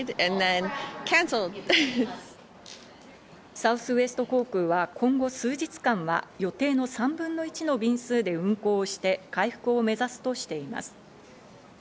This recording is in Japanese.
サウスウエスト航空は今後数日間は予定の３分の１の便数で運航をして回復を目指すとしています。